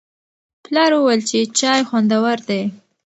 پلار وویل چې چای خوندور دی.